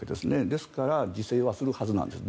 ですから自制はするはずなんです。